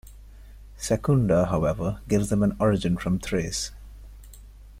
Sekunda, however, gives them an origin from Thrace.